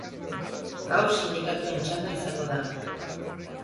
Gaur sindikatuen txanda izango da.